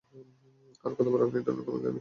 আর কতবার আপনি এ ধরনের ঝামেলা মিটিয়েছেন?